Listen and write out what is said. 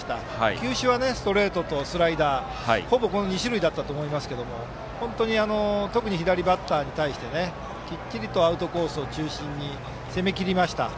球種はストレートとスライダーほぼ２種類だったと思いますが特に左バッターに対してきっちりとアウトコース中心に攻めきりました。